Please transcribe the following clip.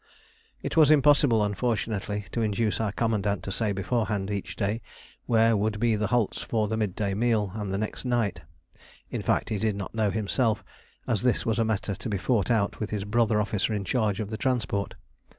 It was impossible, unfortunately, to induce our commandant to say beforehand each day where would be the halts for the midday meal and the next night; in fact, he did not know himself, as this was a matter to be fought out with his brother officer in charge of the transport.